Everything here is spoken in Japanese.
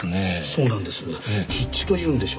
そうなんです。